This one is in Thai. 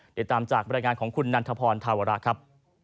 ติดตามจากบรรยายงานของคุณนันทพรธาวระครับ